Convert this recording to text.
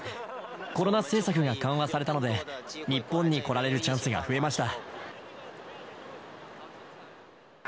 コロナ政策が緩和されたので、日本に来られるチャンスが増えました。